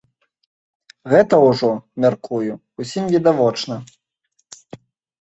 Гэта ўжо, мяркую, усім відавочна.